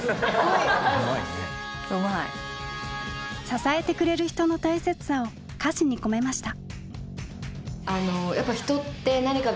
支えてくれる人の大切さを歌詞に込めました。